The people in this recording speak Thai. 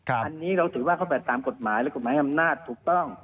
อันนี้เราถือว่าเข้าไปตามกฎหมายและกฎหมายอำนาจถูกต้อง